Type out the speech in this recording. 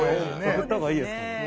贈った方がいいですかね。